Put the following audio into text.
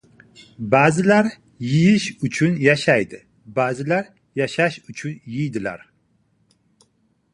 • Ba’zilar yeyish uchun yashaydi, ba’zilar yashash uchun yeydilar.